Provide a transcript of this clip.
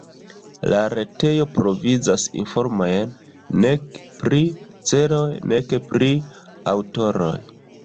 La retejo provizas informojn nek pri celoj, nek pri aŭtoroj.